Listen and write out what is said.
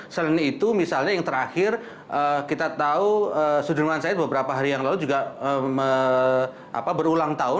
selain itu misalnya yang terakhir kita tahu sudirman said beberapa hari yang lalu juga berulang tahun